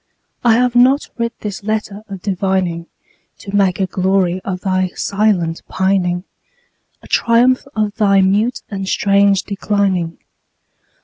I have not writ this letter of divining To make a glory of thy silent pining, A triumph of thy mute and strange declining.